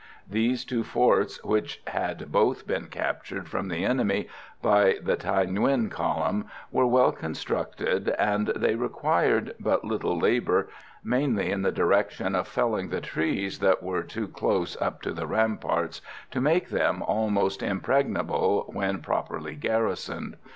These two forts, which had both been captured from the enemy by the Thaï Nguyen column, were well constructed, and they required but little labour, mainly in the direction of felling the trees that were too close up to the ramparts, to make them almost impregnable when properly garrisoned.